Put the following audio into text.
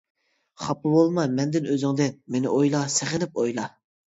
خاپا بولما مەندىن ئۆزۈڭدىن، مېنى ئويلا سېغىنىپ ئويلا.